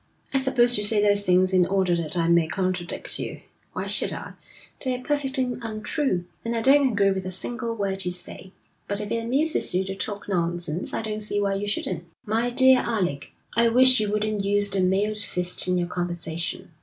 'I suppose you say those things in order that I may contradict you. Why should I? They're perfectly untrue, and I don't agree with a single word you say. But if it amuses you to talk nonsense, I don't see why you shouldn't.' 'My dear Alec, I wish you wouldn't use the mailed fist in your conversation.